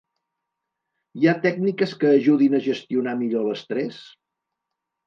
Hi ha tècniques que ajudin a gestionar millor l’estrès?